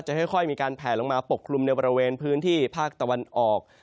ค่อยมีการแผลลงมาปกคลุมในบริเวณพื้นที่ภาคตะวันออก